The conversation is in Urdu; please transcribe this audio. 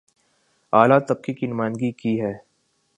اعلی طبقے کی نمائندگی کی ہے